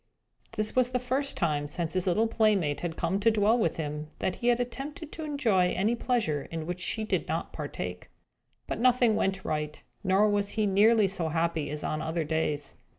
This was the first time, since his little playmate had come to dwell with him, that he had attempted to enjoy any pleasure in which she did not partake. But nothing went right; nor was he nearly so happy as on other days.